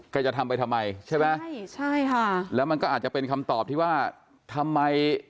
จะทำไปทำไมใช่ไหมใช่ใช่ค่ะแล้วมันก็อาจจะเป็นคำตอบที่ว่าทำไม